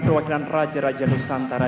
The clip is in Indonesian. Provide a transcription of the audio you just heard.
perwakilan raja raja nusantara